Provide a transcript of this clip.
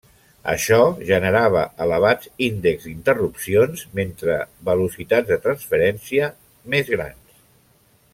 Això generava elevats índexs d'interrupcions mentre velocitats de transferència més grans.